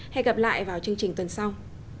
hẹn gặp lại vào chương trình tuần sau